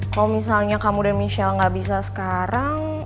kalau misalnya kamu dan michelle gak bisa sekarang